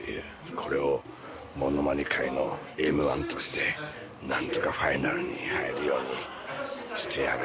これをものまね界の『Ｍ−１』として何とかファイナルに入るようにしてやる。